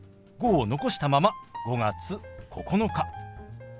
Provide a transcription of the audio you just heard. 「５」を残したまま「５月９日」。